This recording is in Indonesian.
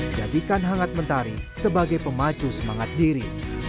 jadikan hangat mentari sebagai pemacu semangat diri